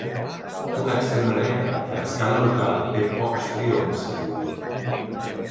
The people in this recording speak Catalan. Una extrema dreta que a escala local té pocs triomfs a lluir.